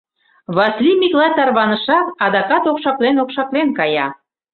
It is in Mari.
Васлий Миклай тарванышат, адакат окшаклен-окшаклен кая.